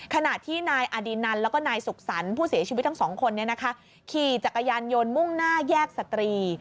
ขณะที่นายอดินันแล้วก็นายสุขสรรค์ผู้เสียชีวิตทั้งสองคนขี่จักรยานยนต์มุ่งหน้าแยกสตรี